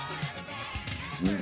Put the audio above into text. うん。